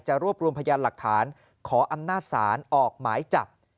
รวบรวมพยานหลักฐานขออำนาจศาลออกหมายจับ